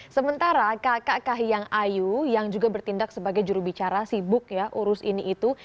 sementara kakak kahiyang ayu yang juga bertindak sebagai jurubicara sibuk ya urus ini itu